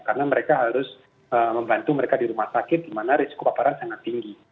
karena mereka harus membantu mereka di rumah sakit di mana risiko paparan sangat tinggi